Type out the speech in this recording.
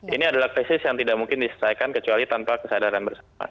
ini adalah krisis yang tidak mungkin diselesaikan kecuali tanpa kesadaran bersama